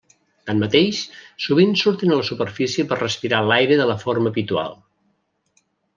Tanmateix, sovint surten a la superfície per respirar l'aire de la forma habitual.